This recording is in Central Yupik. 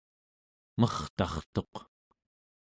mertartuq